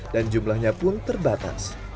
dan jumlahnya pun terbatas